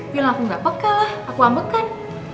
bilang aku gak bakal lah aku ampekan